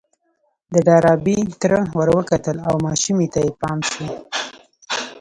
د ډاربي تره ور وکتل او ماشومې ته يې پام شو.